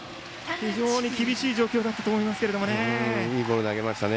非常に厳しい状況だったと思いますけどね。